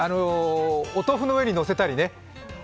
お豆腐の上にのせたりね。